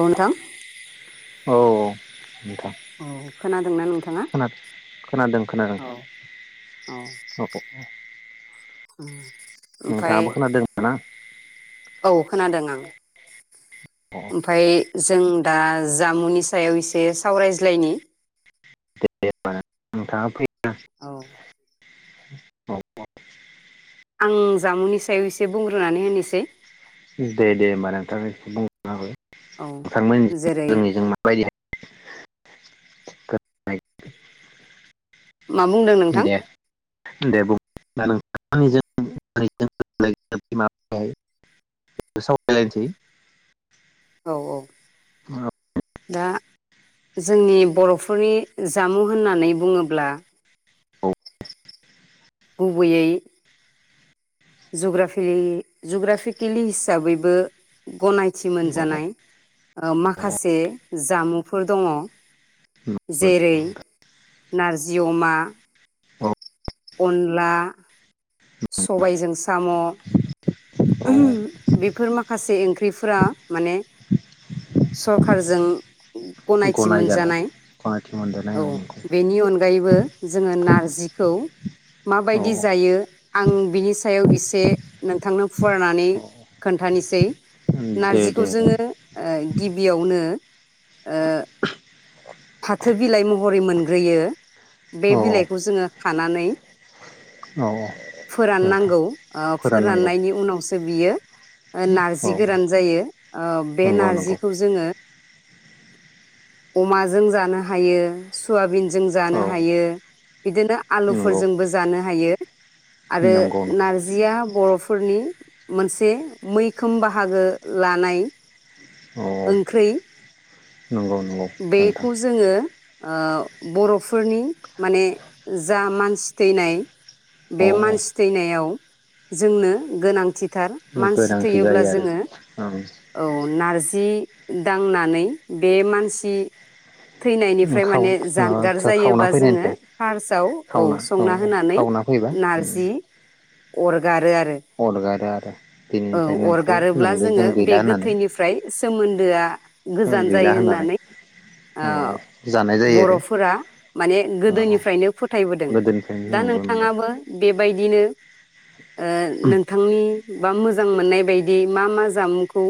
उम नोंथां औ नोंथां औ खोनादोंना नोंथाङा खोनादों खोनादों औ औ औ औ ओम ओमफाय ना औ खोनादों आं अ ओमफाय जों दा जामुनि सायाव एसे सावरायज्लायनि दे दे होमबा नोंथाङा औ अ आं जामुंनि सायाव एसे बुंग्रोनानै होनोसै दे दे होनबा नोंथां बुंना हो औ नोंथांमोन जेरै जोंनिजों माबायदि [inaudible] मा बुंदों नोंथां दे बुं ना नोंथां सावरायलायनोसै औ औ औ दा जोंनि बर'फोरनि जामुं होननानै बुंङोब्ला गुबैयै जुग्राफिलि जुग्राफिकेलि हिसाबैबो गनायथि थि औ मोनजानाय माखासे जामुंफोर दङ जेरै नारजि अमा अनला सबायजों साम' औ उह बेफोर माखासे ओंख्रिफोरा माने सरकारजों गनायथि गनायजानाय मोनजानाय गनायथि मोनजानाय औ नंगौ बेनि अनगायैबो जोङो नारजिखौ औ माबायदि जायो आं बिनि सायाव एसे नोंथांनो फरायनानै औ खोन्थानोसै दे नारजिखौ दे औ जोङो गिबियावनो ओ फाथो बिलाइ महरै मोनग्रोयो बे औ बिलाइखौ जोङो खानानै औ नोंथां फोराननांगौ ओ फोराननांगौ फोराननायनि उनावसो बियो ओ औ नारजि गोरान जायो ओब बे नंगौ नंगौ नारजिखौ जोङो अमाजों जानो हायो सयाबिनजों औ जानो हायो बिदिनो नंगौ आलुफोरजोंबो जानो हायो आरो नंगौ नंगौ नारजिया बर'फ फोरनि मोनसे मैखोम बाहागो लानाय औ औ ओंख्रै नंगौ नंगौ नोंथां बेखौ जोङो ओ बर'फोरनि माने जा मानसि थैनाय बे औ औ मानसि थैनायाव जोंनो गोनांथिथार मानसि गोनांथि थैयोब्ला जायो आरो जोङो ओं औ नारजि जि दांनानै बे मानसि [unintelligible] थैनायनिफ्राय खाव माने जानगार खावना जायोबा जोङो फैनायनिफ्राय फार्स्सआव औ खावना संना औ होनानै खावना फैबा नारजि अरगारो आरो अरगारो आरो [unintelligible] औ दिनैनिफ्राय नोंखौ अरगारोब्ला नोंबो जों जोङो बे गैला होननानै गोथैनिफ्राय सोमोन्दोआ गोजान जायो होननानै औ ओ जानाय जायो आरो बर'फोरा माने औ औ गोदोनिफ्रायनो फोथायबोदों गोदोनिफ्रायनो दा नंगौ नंगौ नोंथाङाबो बेबायदिनो ओ नोंथांनि बा मोजां मोननाय बायदि मा मा जामुंखौ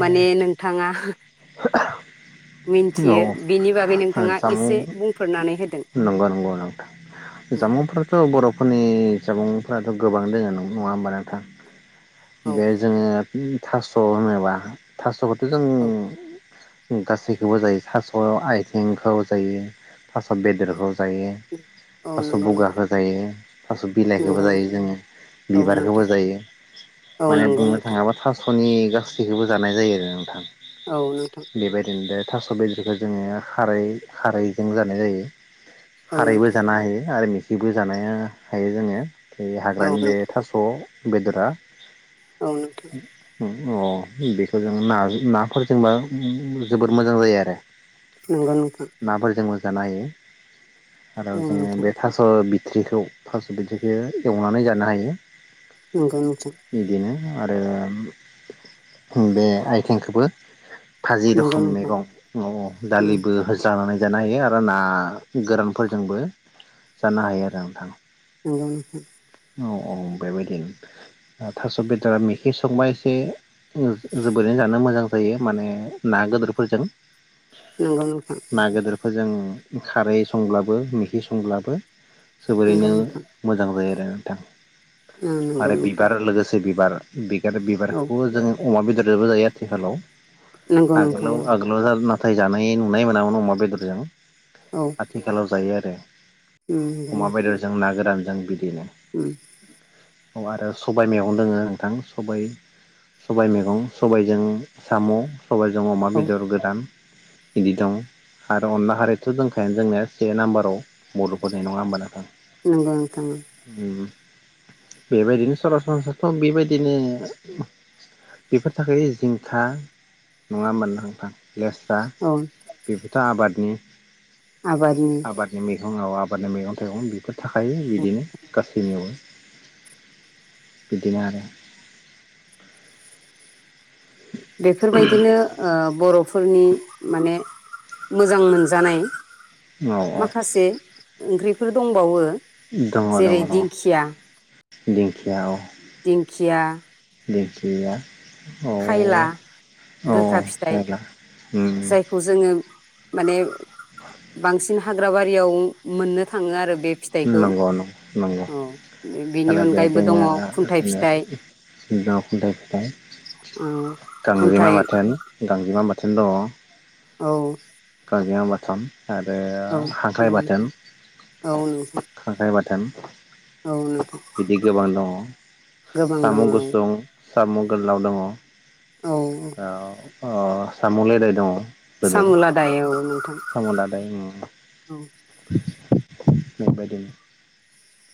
माने नोंथाङा औ मिन्थियो बेनि बागै ओ नोंथाङा जामुं एसे बुंफोरनानै होदों नंगौ नंगौ नोंथां जामुंफ्राथ' बर'फोरनि जामुंफ्राथ गोबां दोङो नङा होमबा नोंथां? औ बे जोङो ओ थास' होना [unintelligible] थास औ [unintelligible] गासैखौबो जायो थास' आइथिंखौ जायो थास' बेदरखौ जायो। औ थास' नंगौ नोंथां बुगाखो जायो थास' बिलाइखौबो नंगौ जायो जोङो औ बिबारखौबो नोंथां जायो औ माने नंगौ बुंनो नोंथां थाङोब्ला थास' स'नि गास सिखौबो जानाय जायो आरो नोंथां। औ नोंथां बेबायदिनो दे थास' बेदरखौ जोङो खारै खारैजों जानाय जायो। औ खारैबो नोंथां जानो हायो आर मि [unintelligible] जानाया हायो जोङो। बे औ हाग्रानि बे नोंथां थास'। बेदरा। औ नोंथां। अ'। बेखौ जों ना नाफोरजोंबा जोबोद मोजां जायो आरो। नोंगौ नोंथां। नाफोरजोंबो जानो हायो। आरो औ जोङो नोंथां बे थास' बि थिखौ थास' बिथिखौ एवनानै जानो हायो। नोंगौ नोंथां। बिदिनो आरो बे आइथिंखौबो भाजि नंगौ रोखोम नोंथां नंगौ नोंथां मैगं अ' दालिबो जानानै जानो हायो आरो ना गोरानफोरजोंबो जानो हायो आरो नोंथां। नोंगौ नोंथां। औ औ बेबायदिनो थास' बेदरा मेखि संबा एसे जोबोरैनो जानो मोजां जायो माने ना गोदोरफोरजों। नोंगौ नोंथां। जों खारै संब्लाबो मेखि संब्लाबो जोबोरैनो नंगौ नोंथां मोजां जायो। [inaudible] थां। आरो बिबार लोगोसे बि बार बि आर औ बिबारखौबो जों अमा बेदरजोंबो जायो आथिखालाव। नंगौ नोंथां आगोलाव आगोलाव [unintelligible] थाय जानाय नुनाय मोनामोन अमा बेदरजों। औ आथिखालाव जायो आ [inaudible] अमा बेदरजों ना गोरान जों बिदिनो औ आरो सबाइ मैगं दोङो नोंथां सबाइ-सबाइ मैगं सबाइजों साम' सबाइजों अमा औ बेदर गोरान बिदि दं आरो अनला खारैथ' दोंखायानो जोंनिया से नाम्बाराव बर'फोरनि नङा होमबा नोंथां नंगौ नोंथां उम बेबायदिनो सरासनस्राथ' बेबायदिनो बेफोर थाखाय जिंखा नङा होम्बा नोंथां लेस्रा औ जुथा आबादनि आबादनि फुङाव आबादनि मैगं थाइगं बेखौ थाखायो बिदिनो गासै नियावबो बिदिनो आरो बेफोरबायदिनो ओ बर' फोरनि माने मोजां मोनजानाय औ औ माखासे ओंख्रि बिफोरबो दंबावो दङ दङ जेरै दङ दिंखिया दिंखिया औ दिंखिया दिंखिया औ खायला औ गोखा फिथाइ जायला जायखौ जोङो माने [inaudible] हाग्राबारियाव मोननो थाङो आरो बे फिथाइखौ नंगौ नंगौ औ बेनि आरो बेयाव अनगायैबो दङ खुन्थाइ फिथाइ दङ खुनथाय बिफां औ गांजेमा खुन्थाइ बाथोन गांजेमा बाथोन दङ औ गांजेमा बाथोन आरो औ खांख्राइ बाथोन औ नोंथां खांख्राइ बाथोन। औ नोंथां बिदि गोबां दङ गोबां साम' दङ औ गुसुं सम' गोलनाव दङ। औ औ अ साम'लेदाय दङ। गोदोर सामुलादाय औ नोंथां साम' लादाय औ। [unintelligible]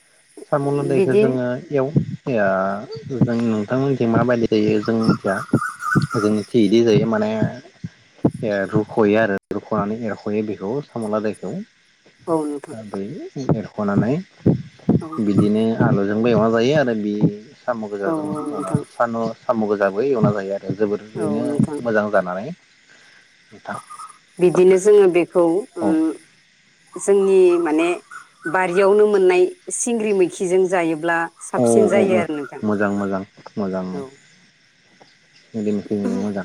सामुलादायखौ बिदि जोङो एव या जों नोंथांमोनथिं माबायदि जायो जोंमिथिया जोंनिथि इदि जायो माने रुख'यो आरो रुख'नानै एरख'यो बेखौ साम'लादायखौ। औ नोंथां [unintelligible] हुखनानै औ बिदिनो आलु जोंबो एवना जायो आरो बि साम' औ गोजाजों ओंख्रि नोंथां संनानै सानदु साम' गोजाबो एवना जायो आर औ जोबोदरैनो नोंथां मोजां जानानै [unintelligible] बिदिनो जोङो बेखौ ओ औ जोंनि माने बारियावनो मोननाय सिंग्रि मैखिजों जायो औ साबसिन औ औ आरो नोंथां मोजां मोजां मोजां औ उम [inaudible] [unintelligible] मोजां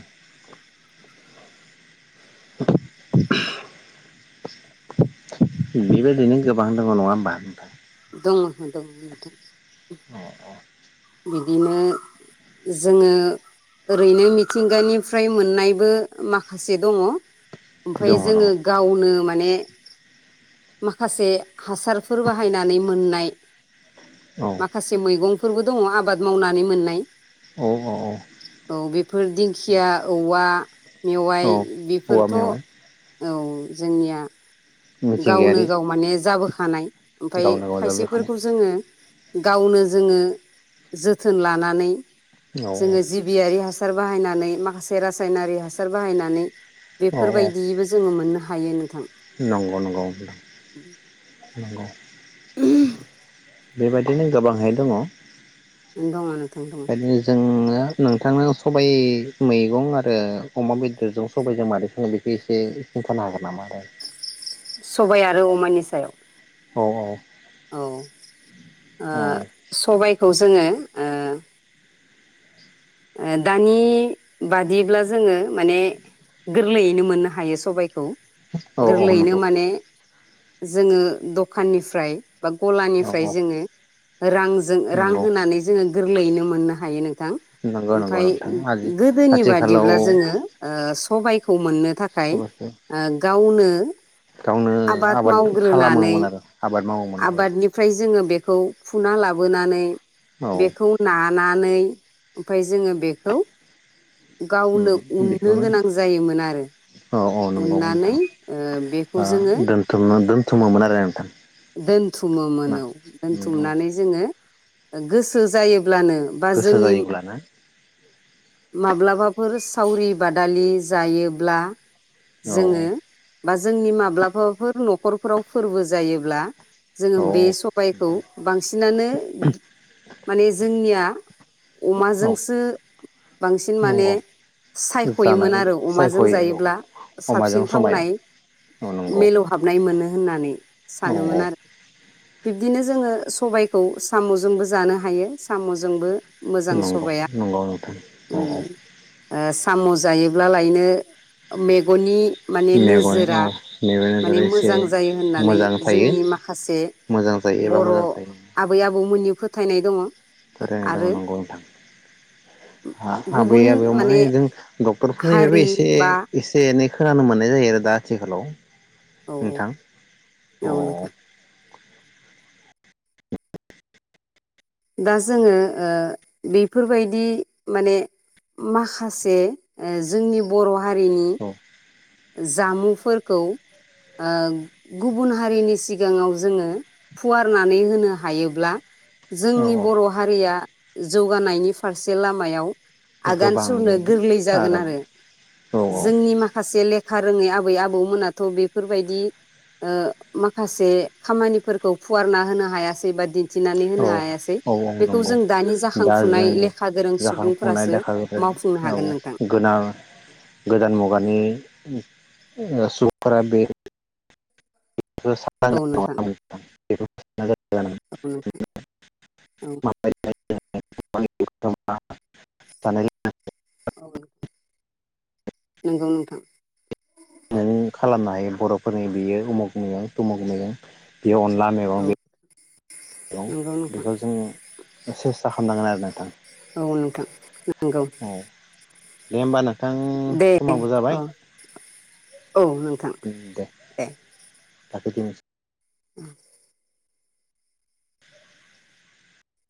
बेबायदिनो गोबां दङ नङा बा नोंथां दङ दङ नोंथां औ [inaudible] बिदिनो जोङो ओरैनो मिथिंगानिफ्राय मोननायबो माखासे दङ। ओमफाय दङ दङ औ जोङो गावनो मा ने माखासे हासारफोर बाहायनानै मोननाय औ [inaudible] माखासे मैगंफो फोरबो दङ आबाद मावनानै मोननाय औ औ औ बेफोर दिंखिया औवा मेवाइ औ औवा बेफोरथ' औ मेवाइ जोंनिया गावनो मिथिंगायारि गाव माने जाबोखानाय ओमफफ्राय गावनो गाव जाबोखानाय खायसेफोरखौ जोङो गावनो जोङो जोथोन लानानै औ जोङो जिबियारि हास हासार बाहायनानै माखासे रासायनारि हासार बाहायनानै। औ औ बेफोरबायदिबो जोङो मोननो हायो नोंथां। नंगौ नोंथां नंगौ। बेबायदिनो गोबाङै दङ। एन्द मानो बेनो जोङो नोंथांनाव सबाइ मैगं आरो अमा बेदरजों सबाइजों मारै सङो बेखौ एसे खिन्थानो हागोन नामा? आरो सबाय आरो अमानि सायाव औ औ। औ ओ सबायखौ स जोङो ओ ओ दानि बादिब्ला जोङो माने गोरलैयैनो मोननो हायो सबायखौ। औ औ गोरलैयैनो नंगौ माने जोङो दखाननिफ्राय बा औ गलानिफ्राय औ जोङो रांजों रां नंगौ होनानै जोङो गोरलैयैनो मोननो हायो नोंथां। नंगौ नंगौ ओमफ्राय नोंथां आजि गोदोनि आथिखालाव बादिब्ला जोङो ओ सबायख खौ मोननो थाखाय सबाइखौ ओ गावनो गावनो आबाद मावग्रोनानै खालामोमोन आरो आबाद मावोमोन औ आबादनिफ्राय जोङो बेखौ फुना लाबोनानै औ बेखौ नानानै ओमफाय जोङो बेखौ गावनो उम उननो बेखौनो गोनां जायोमोन आरो औ औ नंगौ उननानै नोंथां ओ बेखौ जोङो समोमोन आरो नोंथां। दोनथुमोमोन ना औ उम औ दोनथुमनानै जोङो गोसो जायो ब्लानो बा गोसो जोंनि जायोब्लाना माब्लाबाफोर सावरि बादालि जायोब्ला औ जोङो बा जोंनि माब्लाबाफोर न'खरफोराव फोरबो जायोब्ला। जोङो औ बे सबाइखौ बांसिनानो माने जोंनिया औ अमाजोंसो बांसिन माने नंगौ सायख'योमोन जानाय आरो अमाजों सायख'यो औ जायोब्ला साबसिन अमाजों समाय थावनाय औ नंगौ मिलौहाबनाय मोनो। होननानै औ सानोमोन आरो। बिब्दिनो जोङो सबायखौ साम'जोंबो जानो हायो। साम'जोंबो मोजां नंगौ सबाया -नंगौ नोंथां औ उम -औ। ओ साम' जायोब्ला लायनो मेगननि माने मेगन नोजोरा औ मेगन माने नोजोरा एसे मोजां जायो होननानै मोजां थायो जोंनि माखासे मोजां जायो एबा बर' मोजां थायो। आबै आबौमोननि फोथायनाय दङ फोरायनाय दंङ आरो नंगौ नोंथां। हा आबै गुबुन आबौ मा माने एजों डक्टरफोरनिफ्रायबो हारि एसे बा एसे एनै खोनानो मोननाय जायो आरो दा आथिखालाव औ- नोंथां औ -औ नोंथां। दा जोङो ओ बेफोरबायदि माने माखासे जोंनि बर' हारिनि औ जामुंफोरखौ ओ गुबुन हारिनि सिगाङाव जोङो फुवारनानै होनो हायोब्ला जोंनि औ बर' हारिया जौगानायनि फारसे लामायाव आगान सुरनो गोबाङै गोरलै जागोन हागोन आरो औ औ जोंनि माखासे ले खा रोङै आबै आबौमोनाथ बेफोरबायदि ओ माखासे खामानिफोरखौ फुवारना होनो हायासै बा दिन्थिनानै होनो औ हाया -औ नंगौ दा जों लेखा गोरों जाखांफुनाय सुबुंफोरासो लेखा मावफुंनो हागोन नोंथां गोनां औ गोदान मुगानि ओ सुबुंफ्रा बे औ नोंथां लोंनायनि औ नोंथां औ। [unintelligible] औ नंगौ नोंथां। [unintelligible] खालामनो हायो बर'फोरनि बियो उमुग मैगं तमुग मैगं बे अनला मैगं औ बे नंगौ नोंथां बेखौ जों सेस्था खामनांगोन आरो नोंथां औ नोंथां नंगौ औ। दे होमबा नों दे अ औ नोंथां दे। [unintelligible] [inaudible]